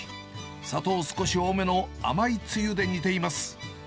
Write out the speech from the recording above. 砂糖少し多めの甘いつゆで煮ています。